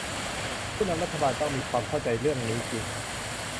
ผู้นำรัฐบาลต้องมีความเข้าใจเรื่องนี้จริง